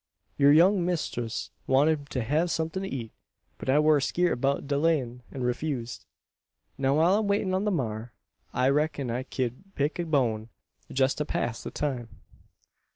Yur young mistress wanted me to hev somethin' to eet; but I war skeert abeout delayin', an refused. Now, while I'm waitin' on the maar, I reck'n I ked pick a bone, jest to pass the time."